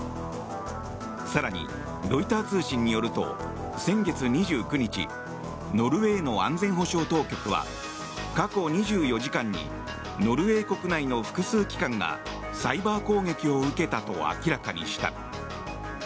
更にロイター通信によると先月２９日ノルウェーの安全保障当局は過去２４時間にノルウェー国内の複数機関がサイバー攻撃を受けたと明らかにした。